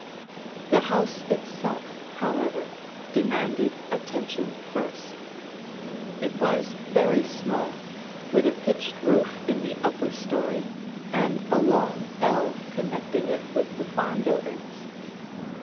The house itself, however, demanded attention first; it was very small, with a pitched roof in the upper story and a long ell connecting it with the farm buildings.